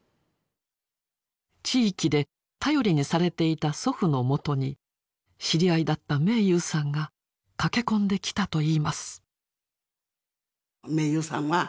地域で頼りにされていた祖父のもとに知り合いだった明勇さんが駆け込んできたといいます。